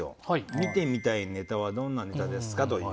見てみたいネタはどんなネタですか？という。